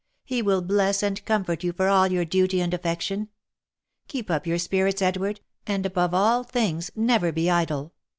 He will bless and comfort you for all your duty and affection. Keep up your spirits, Edward, and, above all things, never be idle.